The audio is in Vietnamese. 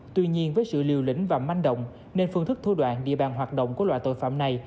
tuy nhiên với sự liều lĩnh và manh động nên phương thức thu đoạn địa bàn hoạt động của loại tội phạm này